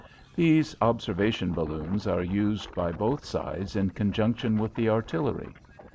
These observation balloons are used by both sides in conjunction with the artillery.